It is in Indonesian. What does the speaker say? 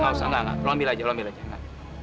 nggak usah nggak nggak lo ambil aja lo ambil aja